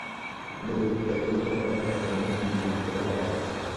বইগুলোতে ছবির ব্যবহার করা হয়েছে অত্যন্ত নান্দনিকভাবে যাতে করে বাচ্চারা আকর্ষিত হয়।